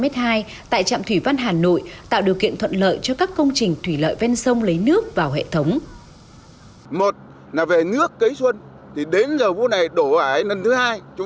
tại trạm thủy văn hà nội tạo điều kiện thuận lợi cho các công trình thủy lợi ven sông lấy nước vào hệ thống